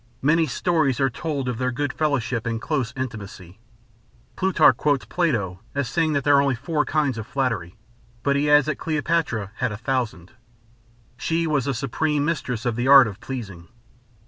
Many stories are told of their good fellowship and close intimacy. Plutarch quotes Plato as saying that there are four kinds of flattery, but he adds that Cleopatra had a thousand. She was the supreme mistress of the art of pleasing.